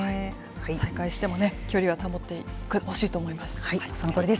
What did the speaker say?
再開してもね、距離は保ってほしいと思います。